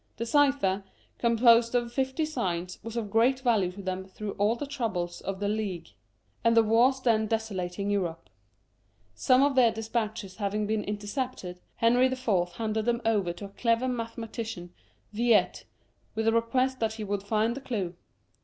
The cypher, composed of fifty signs, was of great value to them through all the troubles of the " Ligue," and the wars then desolating Europe, Some of their despatches having been intercepted, Henry IV. handed them over to a clever mathematician, Viete, with the request that he would find the clue.